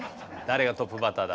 誰がトップバッターだ？